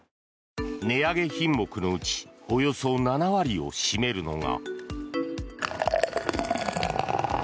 値上げ品目のうちおよそ７割を占めるのが。